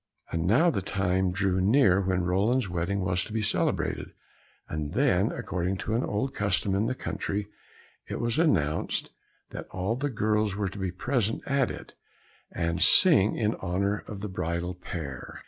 And now the time drew near when Roland's wedding was to be celebrated, and then, according to an old custom in the country, it was announced that all the girls were to be present at it, and sing in honour of the bridal pair.